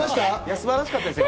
素晴らしかったですよ。